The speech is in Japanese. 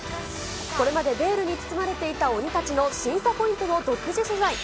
これまでベールに包まれていた鬼たちの審査ポイントを独自取材。